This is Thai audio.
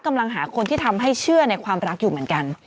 กำลังหาคนที่ทำให้เชื่อในความรักอยู่เหมือนกัน